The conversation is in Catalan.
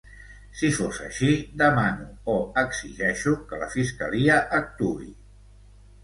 Si fos així, demano, o exigeixo, que la fiscalia actuï.